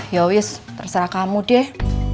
yawes terserah kamu deh